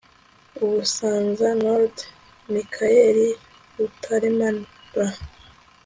UbusanzaNord Mikayire Rutaremara